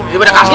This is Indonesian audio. ya pada kasget